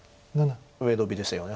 上ノビですよね。